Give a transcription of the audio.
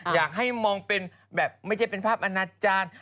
อยากให้มองเป็นแบบไม่ใช่เป็นภาพอนาจารย์